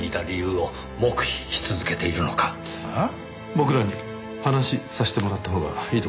僕らに話さしてもらったほうがいいと思いますよ。